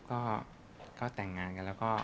ก็แต่งงานกัน